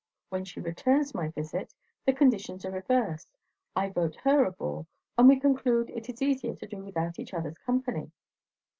When she returns my visit, the conditions are reversed; I vote her a bore; and we conclude it is easier to do without each other's company."